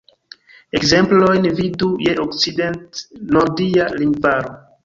Ekzemplojn vidu je Okcident-nordia lingvaro.